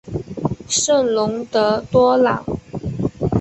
圣龙德多朗。